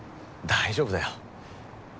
大丈夫だよ。